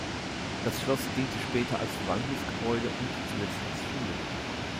Das Schloss diente später als Verwaltungsgebäude und zuletzt als Schule.